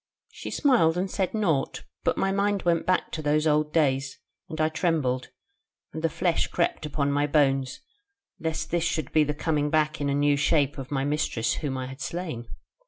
She smiled and said naught; and my mind went back to those old days, and I trembled, and the flesh crept upon my bones, lest this should be the coming back in a new shape of my mistress whom I had slain.